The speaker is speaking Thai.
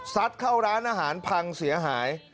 เข้าร้านอาหารพังเสียหาย